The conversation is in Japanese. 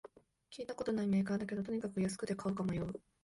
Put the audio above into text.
聞いたことないメーカーだけど、とにかく安くて買うか悩む